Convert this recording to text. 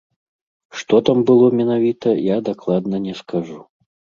Што там было менавіта, я дакладна не скажу.